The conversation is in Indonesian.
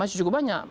masih cukup banyak